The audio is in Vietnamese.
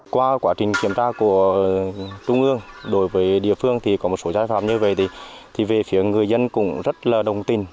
qua quá trình kiểm tra của trung ương đối với địa phương thì có một số giai phạm như vậy thì về phía người dân cũng rất là đồng tình